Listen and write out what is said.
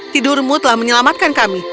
tidurmu telah menyelamatkan kami